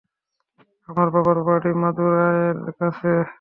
আমার বাবার বাড়ি মাদুরাইয়ের কাছে।